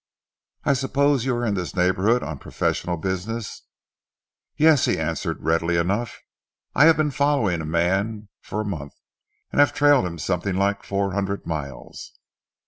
"I suppose you are in this neighbourhood on professional business?" "Yes," he answered readily enough. "I have been following a man for a month and have trailed him something like four hundred miles."